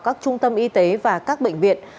các trung tâm y tế và các bệnh viện